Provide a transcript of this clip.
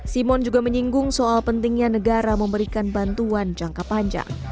simon juga menyinggung soal pentingnya negara memberikan bantuan jangka panjang